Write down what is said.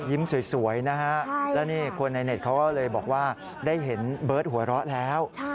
สวยนะฮะแล้วนี่คนในเน็ตเขาก็เลยบอกว่าได้เห็นเบิร์ตหัวเราะแล้ว